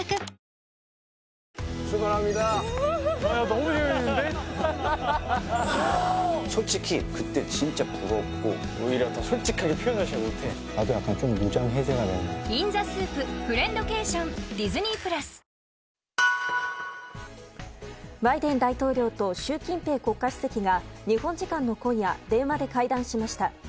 バイデン大統領と習近平国家主席が日本時間の今夜電話で会談しました。